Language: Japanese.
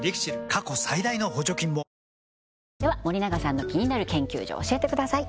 過去最大の補助金もでは森永さんの気になる研究所教えてください